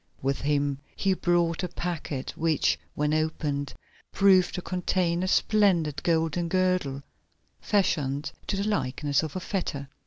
With him he brought a packet, which, when opened, proved to contain a splendid golden girdle, fashioned to the likeness of a fetter.